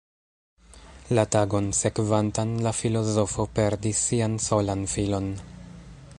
La tagon sekvantan, la filozofo perdis sian solan filon.